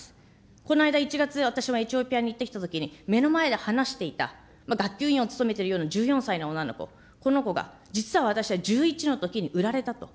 この間、１月、エチオピアに行ったときに目の前で話していた、学級委員を務めているような１４歳の女の子、この子が実は私は１１のときに売られたと。